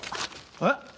えっ！？